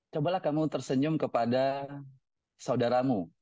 cobalah kamu tersenyum kepada saudaramu